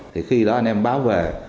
thì khi đó anh em báo về